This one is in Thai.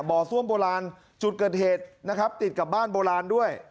บ่อส่วมโบราณจุดเกิดเหตุติดกับบ้านโบราณด้วย